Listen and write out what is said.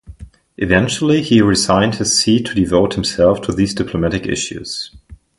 Eventually he resigned his see to devote himself to these diplomatic issues.